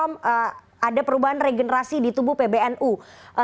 seperti kita tahu bahwa kandidat anda kiai said akhil surat